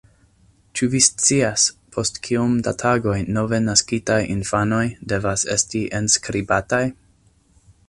Ĉu vi scias, post kiom da tagoj nove naskitaj infanoj devas esti enskribataj?